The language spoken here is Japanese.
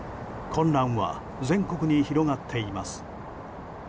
混乱は全国に広がっています。